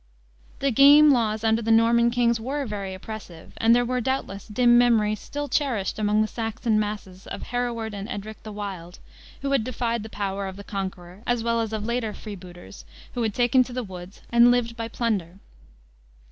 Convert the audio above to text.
The game laws under the Norman kings were very oppressive, and there were, doubtless, dim memories still cherished among the Saxon masses of Hereward and Edric the Wild, who had defied the power of the Conqueror, as well as of later freebooters, who had taken to the woods and lived by plunder.